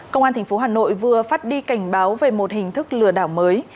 công an tp hà nội vừa phát đi cảnh báo về một hình thức lừa đảo mới